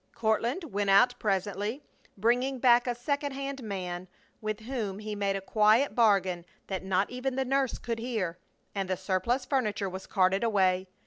Courtland went out presently, bringing back a second hand man with whom he made a quiet bargain that not even the nurse could hear, and the surplus furniture was carted away.